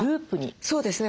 そうですね。